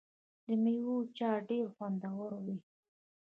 د میوو چاټ ډیر خوندور وي.